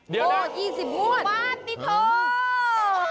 เดี๋ยวนะ๒๐มวด